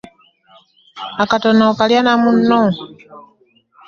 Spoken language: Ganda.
Akatono okalya na munno.